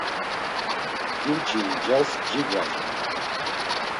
K̆inçi ncas cigvacen.